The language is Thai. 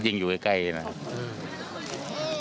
จริงอยู่ไกลนะครับ